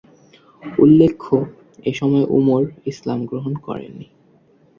উল্লেখ্য এসময় উমর ইসলাম গ্রহণ করেননি।